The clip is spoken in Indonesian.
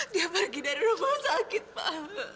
dia pergi dari rumah sakit pak